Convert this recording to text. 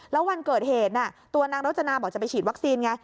แล้ววันเกิดเหตุตัวนางรจนาบอกจะไปฉีดวัคซีนไง